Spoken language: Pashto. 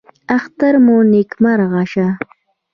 اختر مو نیکمرغه شه